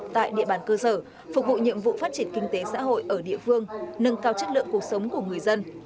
tại địa bàn cơ sở phục vụ nhiệm vụ phát triển kinh tế xã hội ở địa phương nâng cao chất lượng cuộc sống của người dân